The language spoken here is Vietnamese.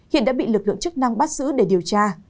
hiện đã bị lực lượng chức năng bắt giữ để điều tra